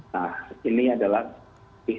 nah ini adalah